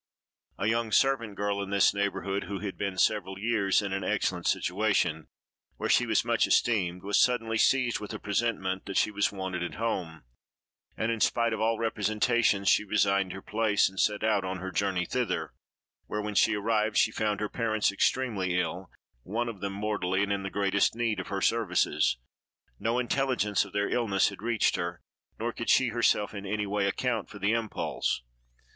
A young servant girl in this neighborhood, who had been several years in an excellent situation, where she was much esteemed, was suddenly seized with a presentiment that she was wanted at home; and, in spite of all representations, she resigned her place, and set out on her journey thither; where, when she arrived, she found her parents extremely ill, one of them mortally, and in the greatest need of her services. No intelligence of their illness had reached her, nor could she herself in any way account for the impulse.